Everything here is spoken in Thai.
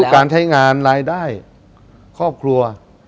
ประยุกต์การใช้งานรายได้ครอบครัว